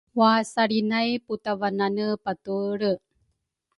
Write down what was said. Wasalri nay putavanane patuelre